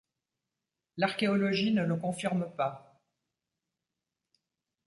L'archéologie ne le confirme pas.